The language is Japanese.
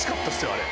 あれ。